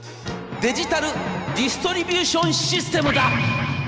デジタル・ディストリビューション・システムだ！』。